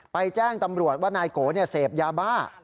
แจ้งตำรวจว่านายโกเสพยาบ้า